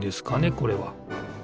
これは。